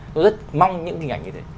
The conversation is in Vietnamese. nó rất mong những hình ảnh như thế